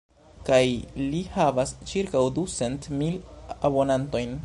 Kaj li havas ĉirkaŭ ducent mil abonantojn.